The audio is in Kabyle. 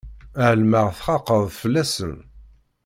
Ԑelmeɣ txaqeḍ fell-asen.